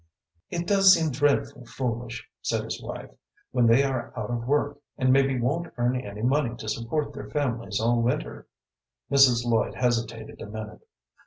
"It does seem dreadful foolish," said his wife, "when they are out of work, and maybe won't earn any more money to support their families all winter " Mrs. Lloyd hesitated a minute.